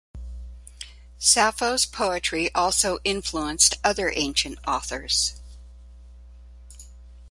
Sappho's poetry also influenced other ancient authors.